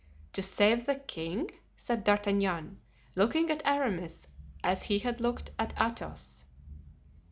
"To save the king?" said D'Artagnan, looking at Aramis as he had looked at Athos.